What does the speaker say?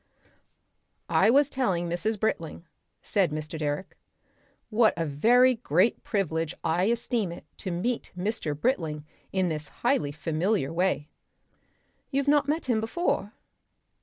"I was telling Mrs. Britling," said Mr. Direck, "what a very great privilege I esteem it to meet Mr. Britling in this highly familiar way." "You've not met him before?"